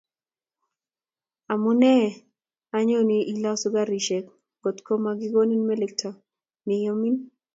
Amune anyun ilosu garisiek ngotko makikonin melekto neo neimin